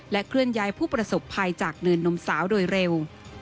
เคลื่อนย้ายผู้ประสบภัยจากเนินนมสาวโดยเร็ว